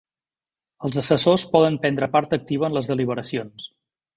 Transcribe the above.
Els assessors poden prendre part activa en les deliberacions.